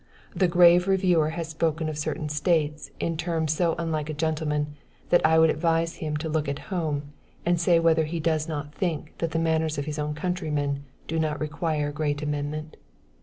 The grave reviewer has spoken of certain States in terms so unlike a gentleman, that I would advise him to look at home, and say whether he does not think that the manners of his own countrymen, do not require great amendment?